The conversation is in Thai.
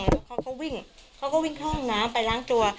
แล้วเขาก็วิ่งเขาก็วิ่งเข้าห้องน้ำไปล้างตัว